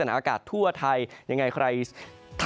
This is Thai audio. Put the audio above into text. ในภาคฝั่งอันดามันนะครับ